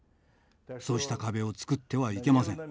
そうした壁を作ってはいけません。